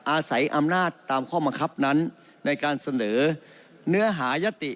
อาศัยอำนาจตามข้อบังคับนั้นในการเสนอเนื้อหายศติ